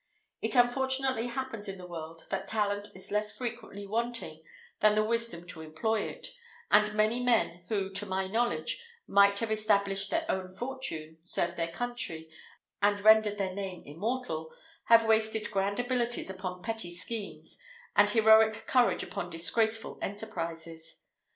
It unfortunately happens in the world, that talent is less frequently wanting than the wisdom to employ it; and many men, who, to my knowledge, might have established their own fortune, served their country, and rendered their name immortal, have wasted grand abilities upon petty schemes, and heroic courage upon disgraceful enterprises.